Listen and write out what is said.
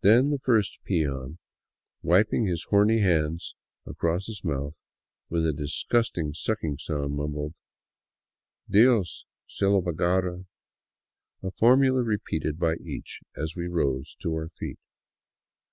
Then the first peon, wiping his horny hand across his mouth with a disgusting sucking sound, mumbled " Dios se lo pagara," a formula repeated by each as we rose to our feet.